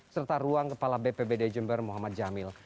serta ruang kepala bpbd jember muhammad jamil